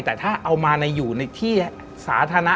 แต่ถ้าเอามาอยู่ในที่สาธารณะ